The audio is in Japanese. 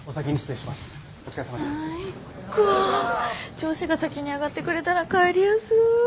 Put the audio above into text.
上司が先に上がってくれたら帰りやすい。